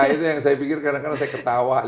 nah itu yang saya pikir kadang kadang saya ketawa